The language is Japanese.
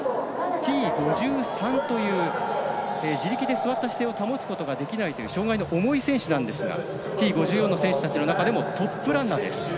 Ｔ５３という自力で座った姿勢を保つことができないという障害の重い選手なんですがＴ５４の選手たちの中でもトップランナーです。